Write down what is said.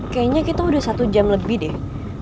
kayaknya kita udah satu jam lebih deh